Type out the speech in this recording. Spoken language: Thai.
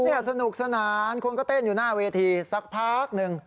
นี่สนุกสนานคนก็เต้นอยู่หน้าเวทีสักพักหนึ่ง